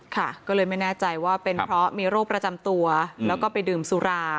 ค่ะก็เลยไม่แน่ใจว่าเป็นเพราะมีโรคประจำตัวแล้วก็ไปดื่มสุรา